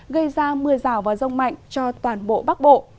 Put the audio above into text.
gây ra mưa rào và rông mạnh cho toàn bộ bắc bộ